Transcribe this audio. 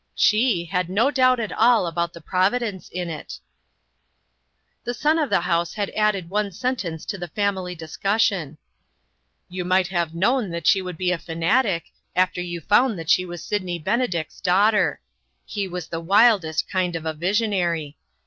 She had no doubt at all about the providence in it. The son of the house had added one sentence to the family discussion :" You might have known that she would be a fanatic, after you found that she was Sydney Benedict's daughter. He was the wildest kind of a visionary.